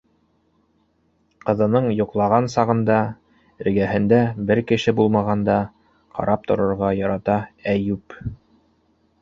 Ҡыҙының йоҡлаған сағында, эргәһендә бер кеше булмағанда ҡарап торорға ярата Әйүп.